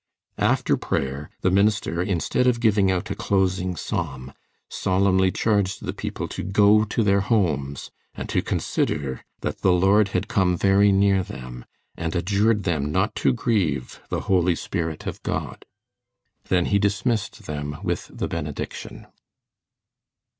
After prayer, the minister, instead of giving out a closing psalm, solemnly charged the people to go to their homes and to consider that the Lord had come very near them, and adjured them not to grieve the Holy Spirit of God. Then he dismissed them with the benediction.